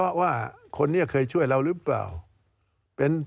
สวัสดีครับทุกคน